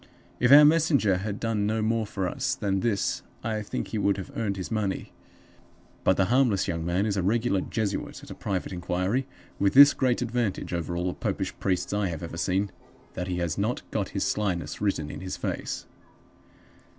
"If our messenger had done no more for us than this, I think he would have earned his money. But the harmless young man is a regular Jesuit at a private inquiry, with this great advantage over all the Popish priests I have ever seen, that he has not got his slyness written in his face.